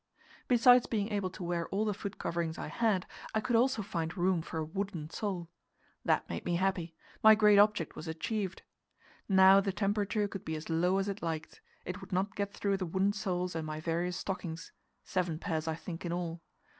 Besides being able to wear all the foot coverings I had, I could also find room for a wooden sole. That made me happy; my great object was achieved. Now the temperature could be as low as it liked; it would not get through the wooden soles and my various stockings seven pairs, I think, in all.